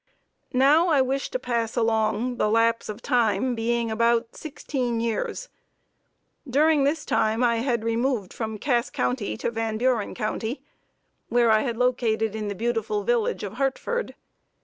Now I wish to pass along, the lapse of time being about sixteen years. During this time I had removed from Cass County to Van Buren County, where I had located in the beautiful village of Hartford.